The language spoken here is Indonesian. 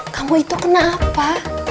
kamu itu kenapa